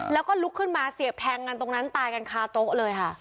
แล้วก็ลุกขึ้นมาเสียบแทงกันตรงนั้นตายกันคาโต๊ะเลยค่ะ